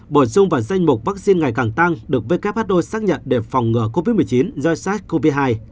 bổ sung vào danh mục vaccine ngày càng tăng được who xác nhận để phòng ngừa covid một mươi chín do sars cov hai